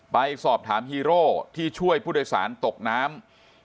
ไปสอบถามฮีโร่ที่ช่วยผู้โดยสารตกน้ำ